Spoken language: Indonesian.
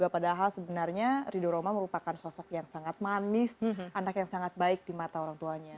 padahal sebenarnya ridho roma merupakan sosok yang sangat manis anak yang sangat baik di mata orang tuanya